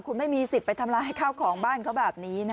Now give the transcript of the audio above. คุณไม่มีสิทธิ์ไปทำลายข้าวของบ้านเขาแบบนี้นะ